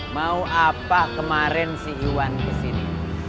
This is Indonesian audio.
mau apa kemarin si yuan kesini